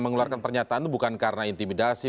mengeluarkan pernyataan itu bukan karena intimidasi